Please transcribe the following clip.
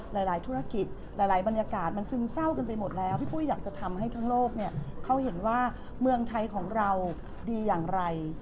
หลายธุรกิจหลายบรรยากาศมันซึมเศร้ากันไปหมดแล้วพี่ปุ้ยอยากจะทำให้ทั้งโลกเนี่ยเขาเห็นว่าเมืองไทยของเราดีอย่างไร